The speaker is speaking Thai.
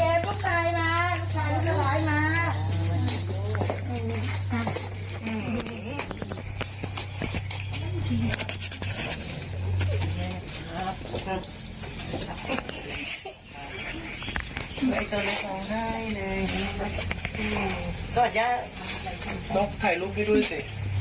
ไอ้เย้ลลูกมาแล้วไอ้เย้ลลูกไข่มาลูกไข่ลูกไข่มา